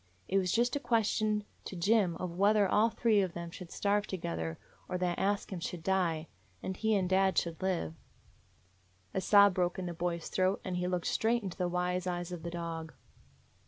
It was just a ques tion to Jim of whether all three of them should starve together or that Ask Him should die, and he and dad should live." A sob broke in the boy's throat, and he looked straight into the wise eyes of the dog.